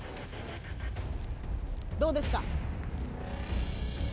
どうですか？